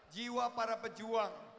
jiwa para pejuang